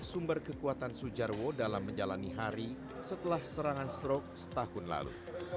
sumber kekuatan sujarwo dalam menjalani hari setelah serangan stroke setahun lalu